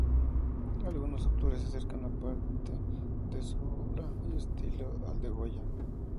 Algunos autores acercan parte de su obra y estilo al de Goya.